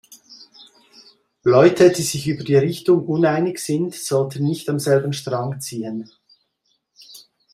Leute, die sich über die Richtung uneinig sind, sollten nicht am selben Strang ziehen.